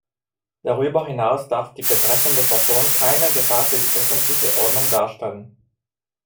Darüber hinaus darf die betreffende Person keine Gefahr für die öffentliche Ordnung darstellen.